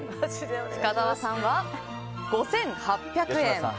深澤さんは５８００円。